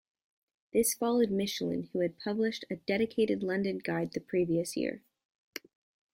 This followed Michelin who had published a dedicated London guide the previous year.